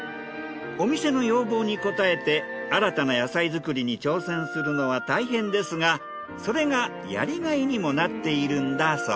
お店の要望に応えて新たな野菜作りに挑戦するのは大変ですがそれがやりがいにもなっているんだそう。